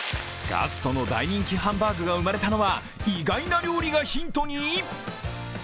ガストの大人気ハンバーグが生まれたのは意外な料理がヒントに？